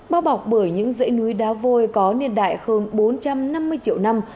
bao bọc bởi những dãy núi đá vôi có niên đại hơn bốn trăm năm mươi triệu năm